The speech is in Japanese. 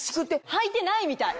はいてないみたい！